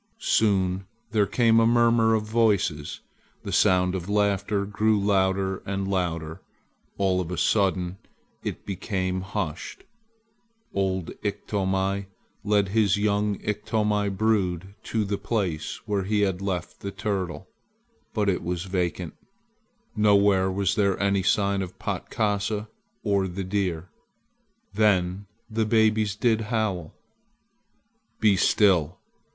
Soon there came a murmur of voices. The sound of laughter grew louder and louder. All of a sudden it became hushed. Old Iktomi led his young Iktomi brood to the place where he had left the turtle, but it was vacant. Nowhere was there any sign of Patkasa or the deer. Then the babes did howl! "Be still!"